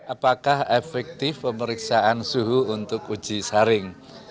apakah efektif pemeriksaan suhu untuk uji saring